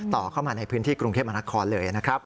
เข้ามาในพื้นที่กรุงเทพมหานครเลยนะครับ